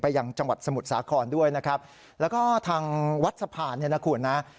ยังจังหวัดสมุทรสาครด้วยนะครับแล้วก็ทางวัดสะพานเนี่ยนะคุณนะ